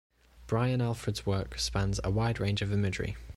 Brian Alfred's work spans a wide range of imagery.